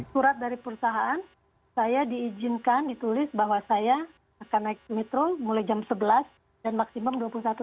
surat dari perusahaan saya diizinkan ditulis bahwa saya akan naik metro mulai jam sebelas dan maksimum dua puluh satu